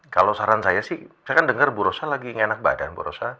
kalau saran saya sih saya kan dengar bu rosa lagi enak badan burosa